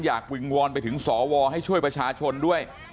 วิงวอนไปถึงสวให้ช่วยประชาชนด้วย